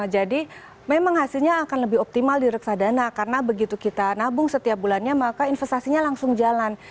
jadi memang hasilnya akan lebih optimal di reksadana karena begitu kita nabung setiap bulannya maka investasinya langsung jalan